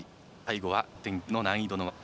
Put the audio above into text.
最後は３．９の難易度の技。